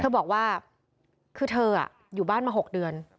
บอกว่าคือเธออยู่บ้านมา๖เดือน